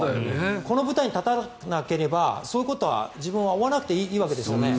この舞台に立たなければそういうことは自分は負わなくていいわけですよね。